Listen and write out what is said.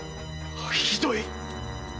ひどい！